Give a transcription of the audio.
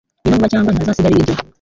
Ngwino vuba cyangwa ntihazasigara ibiryo